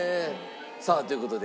さあという事で。